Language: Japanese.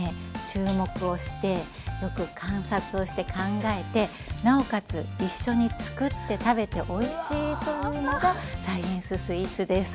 注目をしてよく観察をして考えてなおかつ一緒に作って食べておいしいというのがサイエンススイーツです。